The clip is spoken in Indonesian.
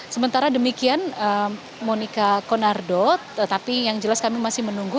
sementara demikian monika konardo tetapi yang jelas kami masih menunggu